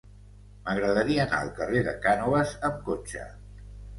M'agradaria anar al carrer de Cànoves amb cotxe.